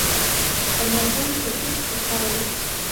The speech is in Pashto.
د مرحوم شفیق په قول.